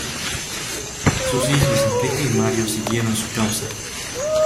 Sus hijos Enrique y Mario siguieron su causa.